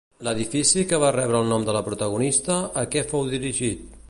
L'edifici que va rebre el nom de la protagonista, a què fou dirigit?